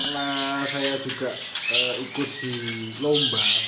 nah saya juga ikut di lomba